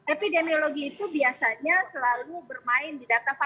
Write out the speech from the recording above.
epidemiologi itu biasanya selalu bermain di tempat tempat